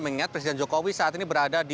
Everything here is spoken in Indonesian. mengingat presiden jokowi saat ini berada di